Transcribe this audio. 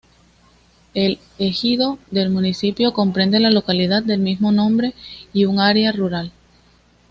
El ejido del municipio comprende la localidad del mismo nombre y un área rural.